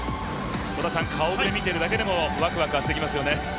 顔ぶれ見てるだけでもワクワクしてきますよね。